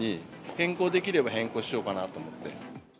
変更できれば変更しようかなと思って。